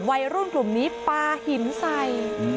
วัยรุ่นกลุ่มนี้ปลาหินใส่